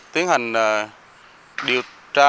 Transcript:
tiến hành điều tra